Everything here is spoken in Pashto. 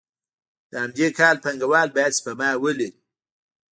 له همدې کبله پانګوال باید سپما ولري